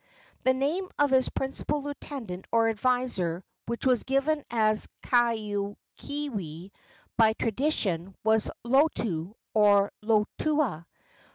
The name of his principal lieutenant or adviser, which is given as Kaaokeewe by tradition, was Lotu, or Lotua.